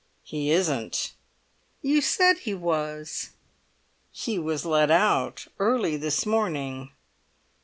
"He isn't!" "You said he was?" "He was let out early this morning!